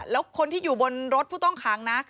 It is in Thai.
แล้วคนที่อยู่บนรถผู้ต้องขังนะ